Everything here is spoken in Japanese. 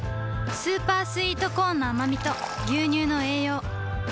スーパースイートコーンのあまみと牛乳の栄養